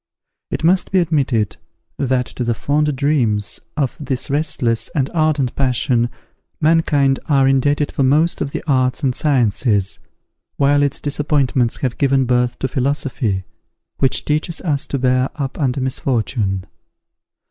It must be admitted, that to the fond dreams of this restless and ardent passion, mankind are indebted for most of the arts and sciences, while its disappointments have given birth to philosophy, which teaches us to bear up under misfortune.